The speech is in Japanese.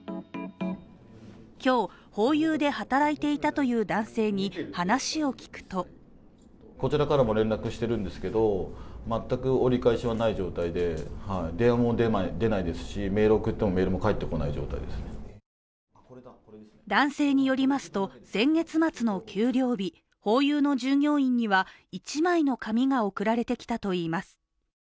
今日、ホーユーで働いていたという男性に話を聞くと男性によりますと、先月末の給料日ホーユーの従業員には一枚の紙が送られてきたといいます。